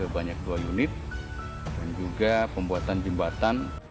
banyak dua unit dan juga pembuatan jembatan